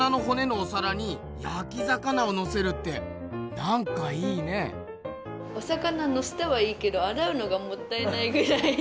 お魚のせたはいいけどあらうのがもったいないぐらい。